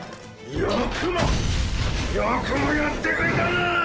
よくもよくもやってくれたな！